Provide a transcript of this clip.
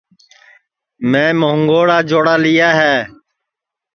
میں مونٚگوڑا جوڑا لیا ہے